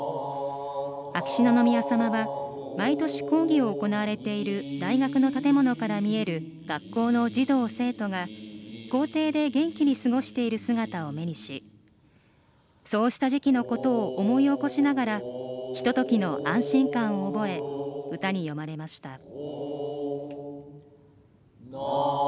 秋篠宮さまは毎年、講義を行われている大学の建物から見える学校の児童生徒が校庭で元気に過ごしている姿を目にしそうした時期のことを思い起こしながらひとときの安心感を覚え歌に詠まれました。